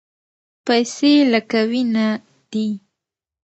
پیسې لکه وینه دي.